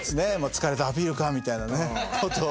「疲れたアピールか」みたいな事を。